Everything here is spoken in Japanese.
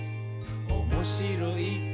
「おもしろい？